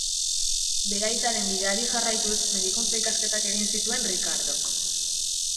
Bere aitaren bideari jarraituz, medikuntza ikasketak egin zituen Rikardok.